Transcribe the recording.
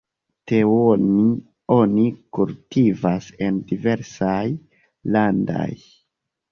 Teon oni kultivas en diversaj landaj.